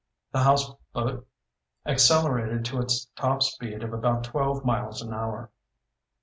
The houseboat accelerated to its top speed of about twelve miles an hour.